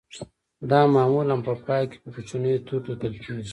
دا معمولاً په پای کې په کوچنیو تورو لیکل کیږي